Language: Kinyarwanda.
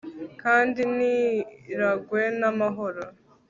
kandi ntirangwe namahoro